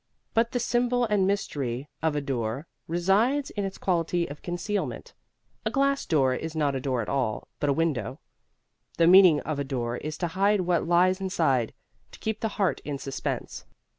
But the symbol and mystery of a door resides in its quality of concealment. A glass door is not a door at all, but a window. The meaning of a door is to hide what lies inside; to keep the heart in suspense.